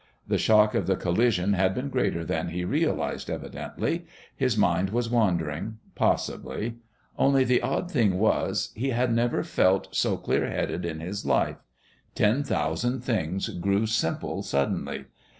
The shock of the collision had been greater than he realised evidently. His mind was wandering.... Possibly! Only the odd thing was he had never felt so clear headed in his life. Ten thousand things grew simple suddenly.